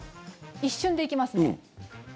一瞬で行きますね。